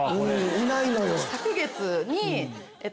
いないのよ。